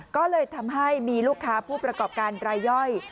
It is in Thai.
ก็เลยทำให้มีลูกค้าผู้ประกอบการรายย่อย